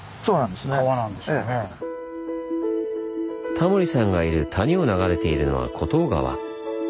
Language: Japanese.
タモリさんがいる谷を流れているのは厚東川。